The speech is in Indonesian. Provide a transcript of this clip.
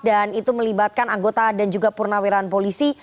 dan itu melibatkan anggota dan juga purnawiraan polisi